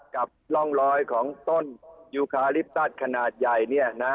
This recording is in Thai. กับร่องรอยของต้นยูคาลิปตัสขนาดใหญ่